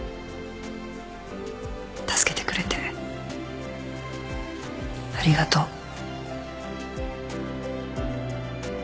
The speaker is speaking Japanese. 助けてくれてありがとう。